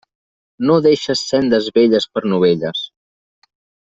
No deixes sendes velles per novelles.